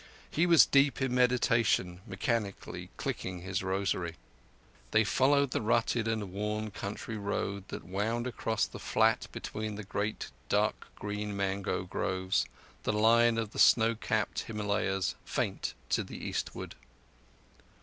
He was deep in meditation, mechanically clicking his rosary. They followed the rutted and worn country road that wound across the flat between the great dark green mango groves, the line of the snowcapped Himalayas faint to the eastward.